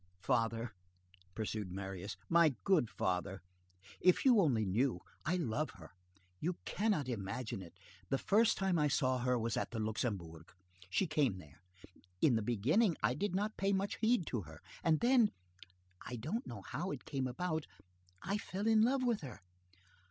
"Father," pursued Marius, "my good father, if you only knew! I love her. You cannot imagine it; the first time I saw her was at the Luxembourg, she came there; in the beginning, I did not pay much heed to her, and then, I don't know how it came about, I fell in love with her.